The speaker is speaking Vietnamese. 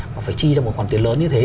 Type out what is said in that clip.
và phải chi cho một khoản tiền lớn như thế